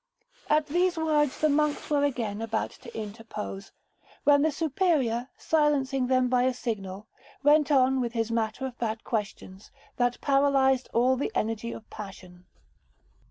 At these words, the monks were again about to interpose, when the Superior, silencing them by a signal, went on with his matter of fact questions, that paralyzed all the energy of passion.